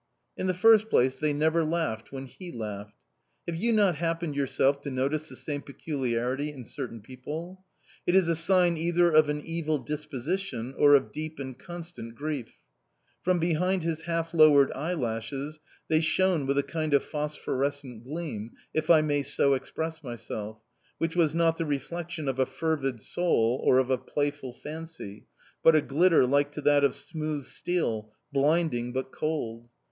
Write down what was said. In the first place, they never laughed when he laughed. Have you not happened, yourself, to notice the same peculiarity in certain people?... It is a sign either of an evil disposition or of deep and constant grief. From behind his half lowered eyelashes they shone with a kind of phosphorescent gleam if I may so express myself which was not the reflection of a fervid soul or of a playful fancy, but a glitter like to that of smooth steel, blinding but cold.